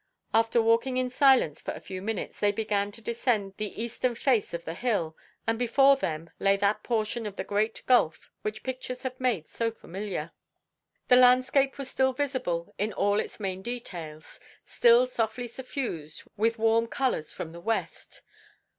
After walking in silence for a few minutes, they began to descend the eastern face of the hill, and before them lay that portion of the great gulf which pictures have made so familiar. The landscape was still visible in all its main details, still softly suffused with warm colours from the west.